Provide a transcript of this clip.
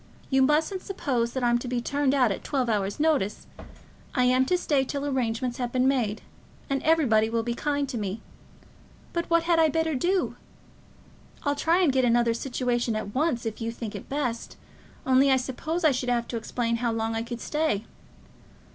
You mustn't suppose that I'm to be turned out at twelve hours' notice. I am to stay till arrangements have been made, and everybody will be kind to me. But what had I better do? I'll try and get another situation at once if you think it best, only I suppose I should have to explain how long I could stay.